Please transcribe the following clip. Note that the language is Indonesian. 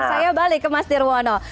saya balik ke mas dirwono